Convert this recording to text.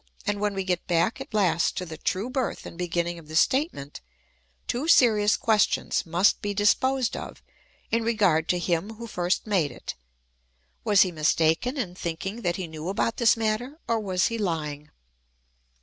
And when we THE ETHICS OF BELIEF. 201 get back at last to the true birth and beginning of the statement, two serious questions must be disposed of in regard to him who first made it : was he mistaken in thinking that he knew about this matter, or was he lying